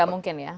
gak mungkin ya